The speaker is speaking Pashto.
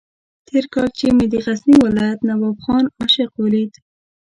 تېر کال چې مې د غزني ولایت نواب خان عاشق ولید.